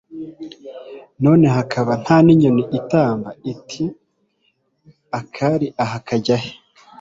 none hakaba nta n'inyoni itamba, iti «akari aha kajya he»